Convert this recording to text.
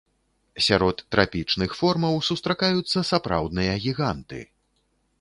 Сярод трапічных формаў сустракаюцца сапраўдныя гіганты.